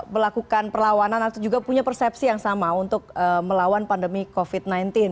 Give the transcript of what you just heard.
melakukan perlawanan atau juga punya persepsi yang sama untuk melawan pandemi covid sembilan belas